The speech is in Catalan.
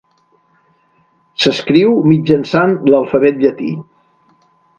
S'escriu mitjançant l'alfabet llatí.